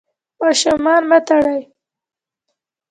ماشومان مه ترټئ.